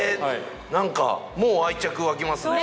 何かもう愛着湧きますね。